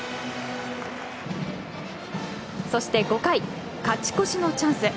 そして、５回勝ち越しのチャンス。